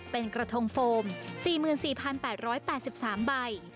เป็นกระทงโฟม๔๔๘๘๓ใบ